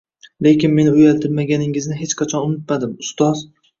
Lekin meni uyaltirmaganingizni hech qachon unutmadim, ustoz!